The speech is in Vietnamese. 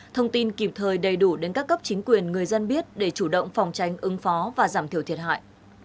thông tin kịp thời đầy đủ đến các cấp chính quyền người dân biết để chủ động phòng tranh ứng phó và giảm thiểu thiệt hại